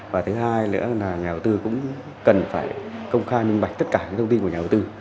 và thứ hai nữa là nhà đầu tư cũng cần phải công khai minh bạch tất cả các thông tin của nhà đầu tư